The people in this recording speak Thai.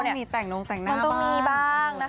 มันต้องมีแต่งลงแต่งหน้าบ้าง